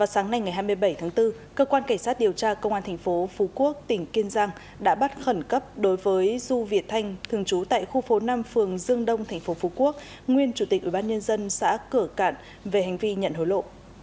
sáng nay ngày hai mươi bảy tháng bốn cơ quan cảnh sát điều tra công an thành phố phú quốc tỉnh kiên giang đã bắt khẩn cấp đối với du việt thanh thường trú tại khu phố năm phường dương đông tp phú quốc nguyên chủ tịch ubnd xã cửa cạn về hành vi nhận hối lộ